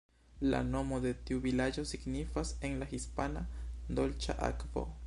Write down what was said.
La nomo de tiu vilaĝo signifas en la hispana "Dolĉa akvo".